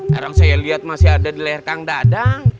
haram saya lihat masih ada di layar kang dadang